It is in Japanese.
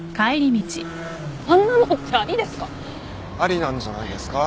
あんなのってありですか！？